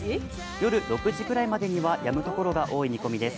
夜６時ぐらいまでにはやむところが多い見込みです。